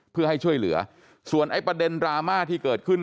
เพื่อให้ช่วยเหลือส่วนไอ้ประเด็นดราม่าที่เกิดขึ้น